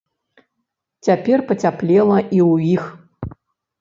Цяпер пацяплела і ў іх.